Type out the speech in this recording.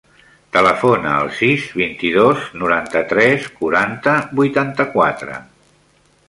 Telefona al sis, vint-i-dos, noranta-tres, quaranta, vuitanta-quatre.